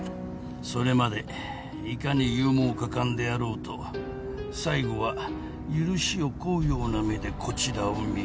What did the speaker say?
それまでいかに勇猛果敢であろうと最後は許しをこうような目でこちらを見る。